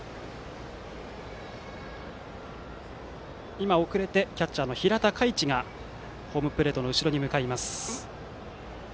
今、遅れてキャッチャーの平田海智がホームプレートの後ろに向かいます。